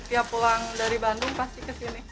ya pulang dari bandung pasti kesini